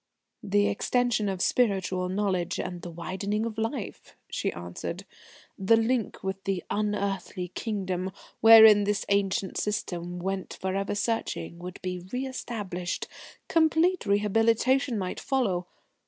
"The extension of spiritual knowledge and the widening of life," she answered. "The link with the 'unearthly kingdom' wherein this ancient system went forever searching, would be re established. Complete rehabilitation might follow.